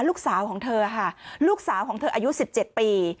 ลูกสาวของเธอค่ะลูกสาวของเธออายุ๑๗ปี